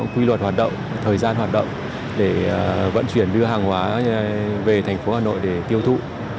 quy luật hoạt động thời gian hoạt động để vận chuyển đưa hàng hóa về thành phố hà nội để tiêu thụ